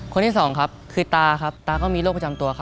คนที่๒คือตาตาก็มีโรคประจำตัว